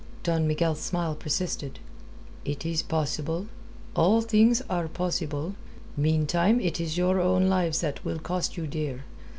Don Miguel's smile persisted. "It is possible. All things are possible. Meantime it is your own lives that will cost you dear.